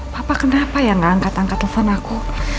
papa kenapa ya gak angkat angkat telepon aku